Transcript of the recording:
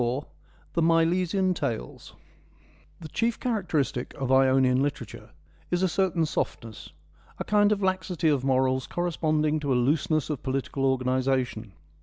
— The Milesian Tales The chief characteristic of Ionian literature is a certain softness, a kind of laxity of morals corres ponding to a looseness of political organisation.